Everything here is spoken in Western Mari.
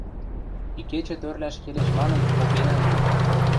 Икечӹ тӧрлӓш келеш манын попенӓм ыльы.